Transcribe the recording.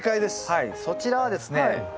はいそちらはですね